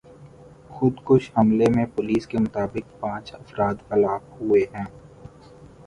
خودکش حملے میں پولیس کے مطابق پانچ افراد ہلاک ہوئے ہیں